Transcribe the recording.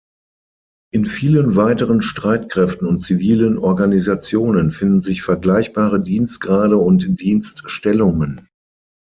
In vielen weiteren Streitkräften und zivilen Organisationen finden sich vergleichbare Dienstgrade und Dienststellungen.